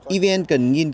evn cần nghiên cứu